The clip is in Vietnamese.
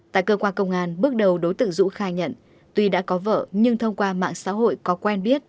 tại cơ quan công an bước đầu đối tượng dũ khai nhận tuy đã có vợ nhưng thông qua mạng xã hội có quen biết